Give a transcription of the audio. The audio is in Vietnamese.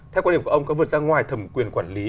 theo quan điểm của ông có vượt ra ngoài thẩm quyền quản lý